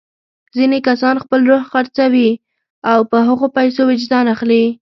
ځینې کسان خپل روح خرڅوي او په هغو پیسو وجدان اخلي.